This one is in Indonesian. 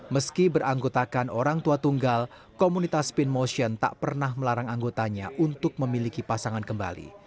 meski beranggotakan orang tua tunggal komunitas spin motion tak pernah melarang anggotanya untuk memiliki pasangan kembali